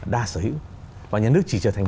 đa sở hữu và nhà nước chỉ trở thành